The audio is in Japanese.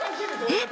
えっ！？